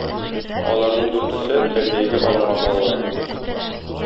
Аларның дүртесе - тәрбиягә алынган балалар.